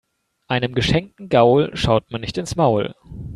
Einem geschenkten Gaul schaut man nicht ins Maul.